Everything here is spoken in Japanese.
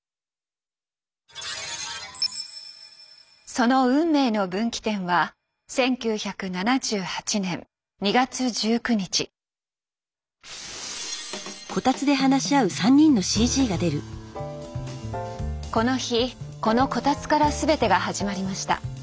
その運命の分岐点はこの日このこたつから全てが始まりました。